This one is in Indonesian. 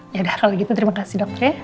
ya udah kalau gitu terima kasih dokter ya